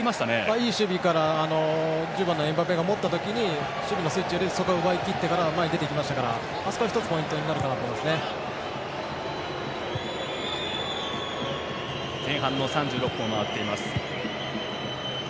いい守備から１０番のエムバペが持った時に守備のスイッチを入れて奪いきってから前に出ていきましたからあそこは１つポイントになるかなと思いますね。